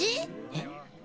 えっ。